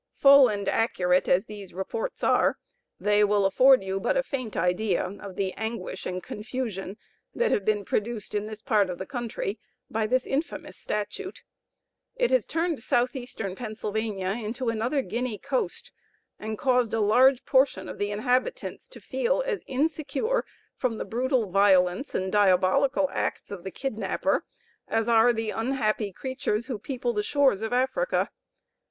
Full and accurate as these reports are, they will afford you but a faint idea of the anguish and confusion that have been produced in this part of the country by this infamous statute. It has turned Southeastern Pennsylvania into another Guinea Coast, and caused a large portion of the inhabitants to feel as insecure from the brutal violence and diabolical acts of the kidnapper, as are the unhappy creatures who people the shores of Africa.